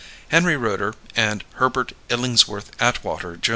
Henry Rooter and Herbert Illingsworth Atwater, Jr.